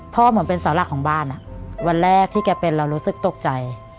เหมือนเป็นเสาหลักของบ้านวันแรกที่แกเป็นเรารู้สึกตกใจ